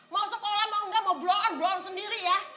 mau sekolah mau engga mau blow on blow on sendiri ya